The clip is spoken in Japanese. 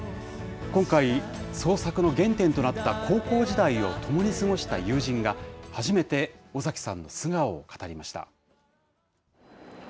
今回、創作の原点となった高校時代を共に過ごした友人が初めて、尾崎さんの素顔を語りました。